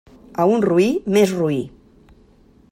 A un roí, més roí.